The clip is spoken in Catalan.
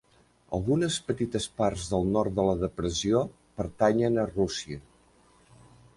Algunes petites parts del nord de la depressió pertanyen a Rússia.